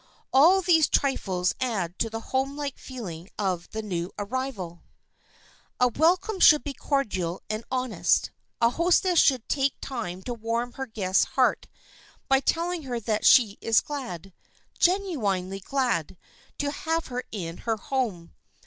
All these trifles add to the home like feeling of the new arrival. [Sidenote: LET YOUR GUEST ALONE] A welcome should be cordial and honest. A hostess should take time to warm her guest's heart by telling her that she is glad, genuinely glad, to have her in her home.